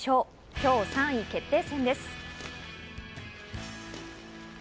今日、３位決定戦です。